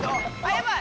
やばい・